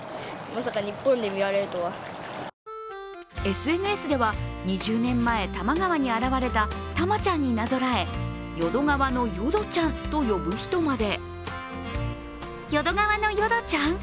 ＳＮＳでは２０年前、多摩川に現れたタマちゃんになぞらえ淀川のヨドちゃんと呼ぶ人まで。